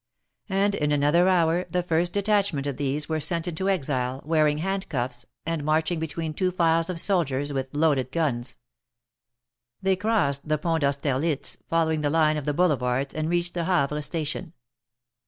And in another hour the first detachment of these were sent into exile, wearing hand cuffs, and marching between two files of soldiers with loaded guns. They crossed the Pont d'Austerlitz, following the line of the Boulevards, and reached the Havre station.